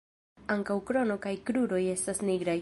Ankaŭ krono kaj kruroj estas nigraj.